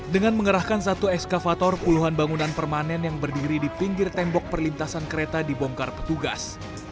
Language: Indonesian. dengan mengerahkan satu ekskavator puluhan bangunan permanen yang berdiri di pinggir tembok perlintasan kereta dibongkar petugas